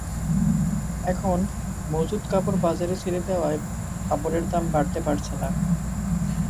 এখন মজুত কাপড় বাজারে ছেড়ে দেওয়ায় কাপড়ের দাম বাড়তে পারছে না।